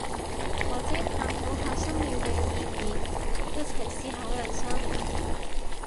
或者探討下生命嘅意義，一齊思考人生